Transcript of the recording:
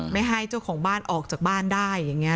ไม่ให้เจ้าของบ้านออกจากบ้านได้อย่างนี้